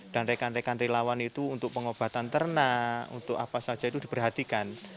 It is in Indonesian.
dan rekan rekan relawan itu untuk pengobatan ternak untuk apa saja itu diperhatikan